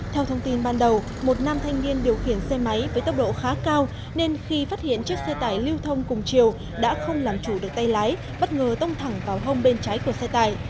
theo thông tin ban đầu một nam thanh niên điều khiển xe máy với tốc độ khá cao nên khi phát hiện chiếc xe tải lưu thông cùng chiều đã không làm chủ được tay lái bất ngờ tông thẳng vào hông bên trái của xe tải